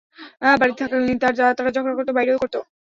বাড়িতে থাকাকালীন তারা ঝগড়া করত, বাইরেও করত।